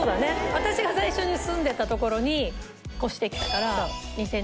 私が最初に住んでた所に越してきたから２０００年にね。